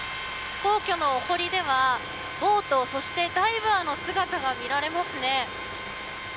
皇居のお堀ではボートそしてダイバーの姿が見られますね。